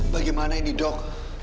bagaimana ini dok